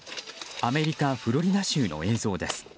アメリカ・フロリダ州の映像です。